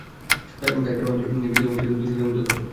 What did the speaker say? তাই তাঁর অন্তরে ভীতি ও দুশ্চিন্তার উদ্রেক হল।